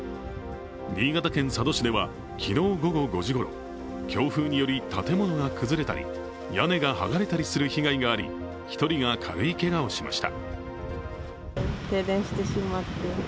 新潟県佐渡市では昨日午後５時ごろ強風により建物が崩れたり、屋根がはがれたりする被害があり、１人が軽いけがをしました。